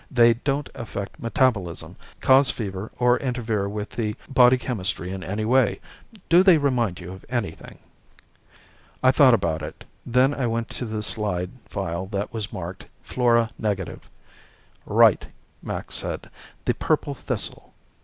"They don't affect metabolism, cause fever, or interfere with the body chemistry in any way. Do they remind you of anything?" I thought about it. Then I went to the slide file that was marked flora negative. "Right," Max said. "The purple thistle.